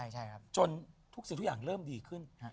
ใช่ครับจนทุกสิ่งทุกอย่างเริ่มดีขึ้น